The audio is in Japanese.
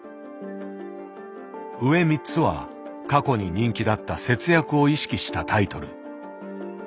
上３つは過去に人気だった節約を意識したタイトル。